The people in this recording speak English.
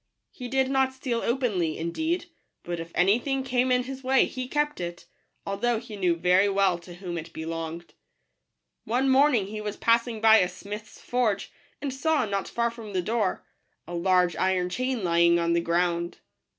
He did not steal openly, indeed ; but if any thing came in his way, he kept it, although he knew very well to whom it belonged. One morning he was passing by a smith's forge, and saw, not far from the door, a large iron chain lying on the ground.